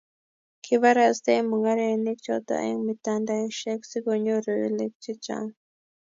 kibarastei mung'arenik choto eng' mitandaosiek , sikunyoru oliik che chang'